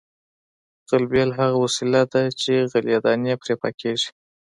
غلبېل هغه وسیله ده چې غلې دانې پرې پاکیږي